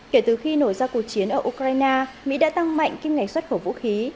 kể từ khi nổi ra cuộc chiến ở ukraine mỹ đã tăng mạnh